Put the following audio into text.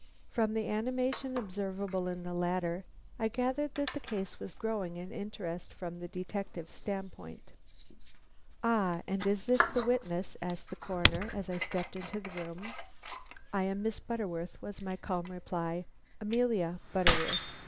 From the animation observable in the latter, I gathered that the case was growing in interest from the detective standpoint. "Ah, and is this the witness?" asked the Coroner, as I stepped into the room. "I am Miss Butterworth," was my calm reply. "Amelia Butterworth.